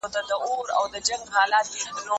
دا وخت له هغه مهم دی؟